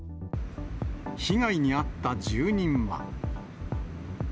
被害に遭った住人は。